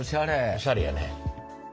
おしゃれやね。